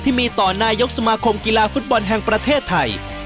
ที่มีต่อนายกสมาคมกีฬาฟุตบอลแห่งประเทศไทย